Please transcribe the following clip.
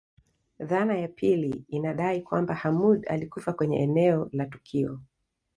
Dhana ya pili inadai kwamba Hamoud alikufa kwenye eneo la tukio